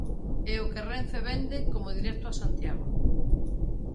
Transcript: É o que Renfe vende como directo a Santiago.